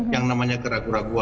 yang namanya gerak gerak